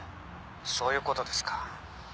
「そういう事ですか」